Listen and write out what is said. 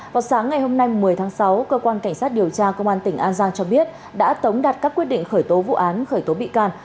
vào sáng ngày hôm nay một mươi tháng sáu cơ quan cảnh sát điều tra công an tỉnh an giang cho biết đã tống đặt các quyết định khởi tố vụ án khởi tố bị can